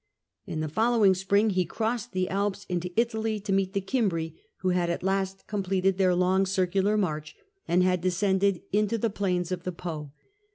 In the follow ing spring he crossed the Alps into Italy to meet the Gimbri, who had at last completed their long circular march, and had descended into the plains of the Po.